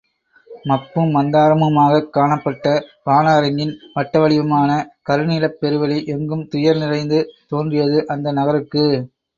மப்பும் மந்தாரமுமாகக் காணப்பட்ட வான அரங்கின் வட்டவடிவமான கருநீலப் பெருவெளி எங்கும் துயர் நிறைந்து தோன்றியது, அந்த நகருக்கு.